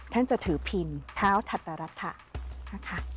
ท่านจะถือพินเท้าถัตรัฐะนะคะ